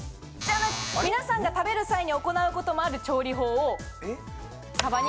皆さんが食べる際に行うこともある調理法をサバにも。